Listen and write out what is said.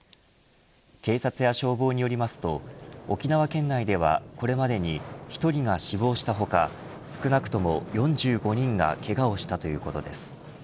警察や消防によりますと沖縄県内では、これまでに１人が死亡した他少なくとも４５人がけがをしたということです。